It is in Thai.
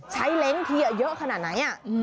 ใช้เล้งเทียเยอะขนาดไหน